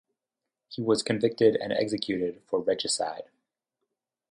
He was convicted and executed for regicide.